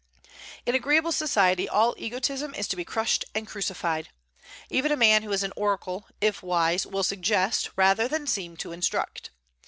In agreeable society all egotism is to be crushed and crucified. Even a man who is an oracle, if wise, will suggest, rather than seem to instruct.